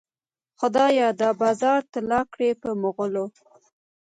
خدایه دا بازار تالا کړې په مغلو.